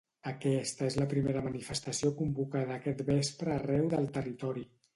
Aquesta és la primera manifestació convocada aquest vespre arreu del territori.